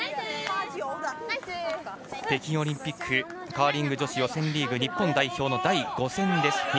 北京オリンピックカーリング女子予選リーグ日本代表の第５戦です。